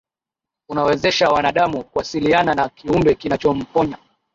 unamwezesha wanadamu kuwasiliana na kiumbe kinachomponya